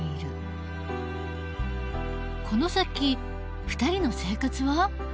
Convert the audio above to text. この先２人の生活は？